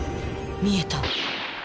見えた。